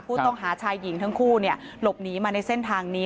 ผู้ต้องหาชายหญิงทั้งคู่หลบหนีมาในเส้นทางนี้